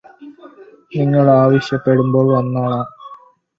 നിങ്ങള് ആവശ്യപ്പെടുമ്പോള് വന്നോളാം